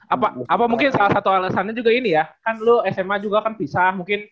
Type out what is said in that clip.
apa apa mungkin salah satu alasannya juga ini ya kan lu sma juga kan pisah mungkin